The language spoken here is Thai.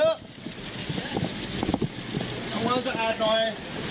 เอามาสะอาดหน่อย